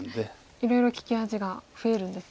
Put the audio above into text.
いろいろ利き味が増えるんですね。